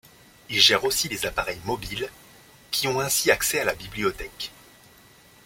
Il gère aussi les appareils mobiles, qui ont ainsi accès à la bibliothèque.